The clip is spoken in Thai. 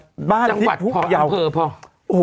จังหวัดพออันเพิ่มเถอะพอ